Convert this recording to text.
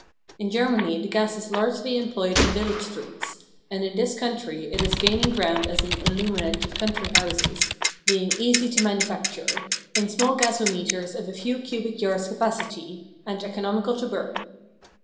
In Germany the gas is largely employed in village streets; and in this country it is gaining ground as an illuminant of country houses, being easy to manufacture in small gasometers of a few cubic yards capacity and economical to burn.